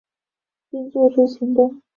并做出行动